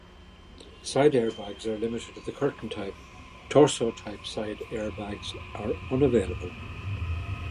Side airbags are limited to the curtain type, torso type side airbags are unavailable.